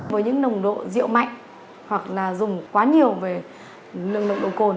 với những nồng độ rượu mạnh hoặc là dùng quá nhiều về nồng độ cồn